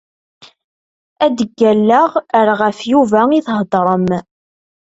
Ad d-ggalleɣ ar ɣef Yuba i theddrem.